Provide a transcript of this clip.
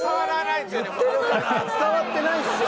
全然伝わってないんすよ